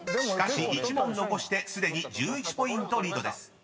［しかし１問残してすでに１１ポイントリードです］